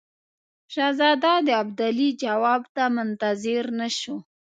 شهزاده د ابدالي جواب ته منتظر نه شو.